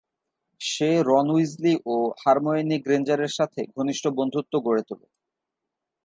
সে Ron Weasley ও Hermione Granger এর সাথে ঘনিষ্ঠ বন্ধুত্ব গড়ে তোলে।